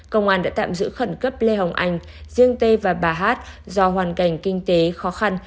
công an đã tạm giữ khẩn cấp lê hồng anh riêng tê và bà hát do hoàn cảnh kinh tế khó khăn